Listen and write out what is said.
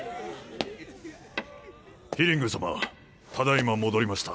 ヒリング様ただ今戻りました。